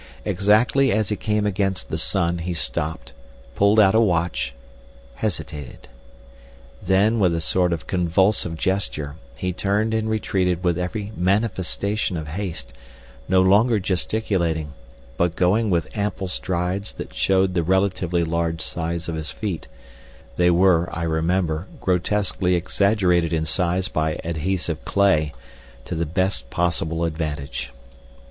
Exactly as he came against the sun he stopped, pulled out a watch, hesitated. Then with a sort of convulsive gesture he turned and retreated with every manifestation of haste, no longer gesticulating, but going with ample strides that showed the relatively large size of his feet—they were, I remember, grotesquely exaggerated in size by adhesive clay—to the best possible advantage.